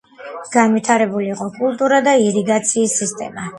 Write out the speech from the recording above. განვითარებული იყო კულტურა და ირიგაციის სისტემა.